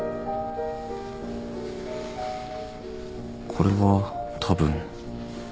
これはたぶん。